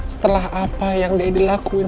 setelah apa yang deddy lakuin